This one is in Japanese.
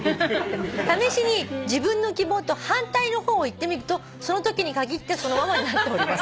「試しに自分の希望と反対の方を言ってみるとそのときにかぎってそのままになっております」